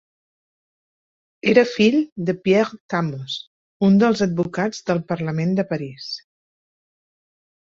Era fill de Pierre Camus, un dels advocats del Parlament de París.